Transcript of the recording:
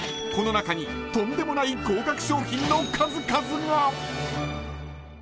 ［この中にとんでもない高額商品の数々が］